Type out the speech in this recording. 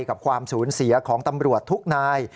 กับความสูญเสียของตำรวจทุกนาย